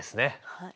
はい。